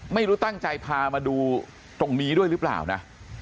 ไม่รู้ตั้งใจพามาดูตรงนี้ด้วยหรือเปล่านะ